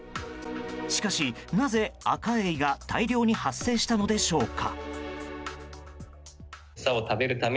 しかしなぜアカエイが大量に発生したのでしょうか。